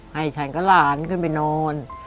ให้ฉันกับหลานขึ้นไปนอน